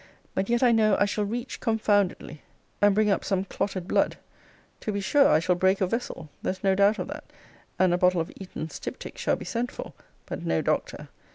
But yet I know I shall reach confoundedly, and bring up some clotted blood. To be sure, I shall break a vessel: there's no doubt of that: and a bottle of Eaton's styptic shall be sent for; but no doctor.